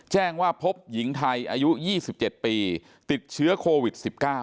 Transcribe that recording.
แจ้งว่าพบหญิงไทยอายุ๒๗ปีติดเชื้อโควิด๑๙